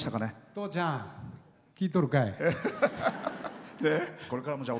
父ちゃん、聴いとるかい！